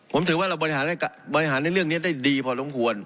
ผมถือว่าเราบริหารในเรื่องนี้ได้ดีพอสมควร